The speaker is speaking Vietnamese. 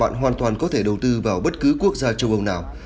bạn hoàn toàn có thể đầu tư vào bất cứ quốc gia châu âu nào